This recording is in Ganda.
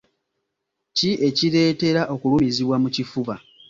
Ki ekireetera okulumizibwa mu kifuba?